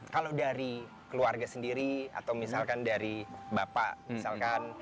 kalau dari keluarga sendiri atau misalkan dari bapak misalkan